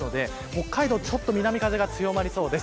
北海道は南風が強まりそうです。